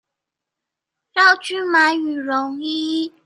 繞去買羽絨衣